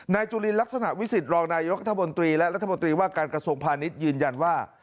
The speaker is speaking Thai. จุลินลักษณะวิสิตรองนายกรัฐมนตรีและรัฐมนตรีว่าการกระทรวงพาณิชย์ยืนยันว่า